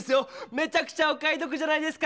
めちゃくちゃお買いどくじゃないですか！